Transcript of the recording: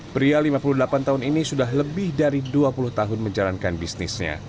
pria lima puluh delapan tahun ini sudah lebih dari dua puluh tahun menjalankan bisnisnya